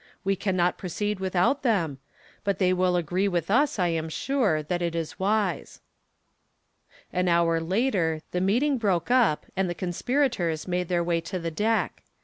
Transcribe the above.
"We cannot proceed without them. But they will agree with us, I am sure, that it is wise." An hour later the meeting broke up and the conspirators made their way to the deck.